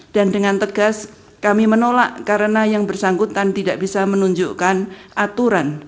dan dengan tegas kami menolak karena yang bersangkutan tidak bisa menunjukkan aturan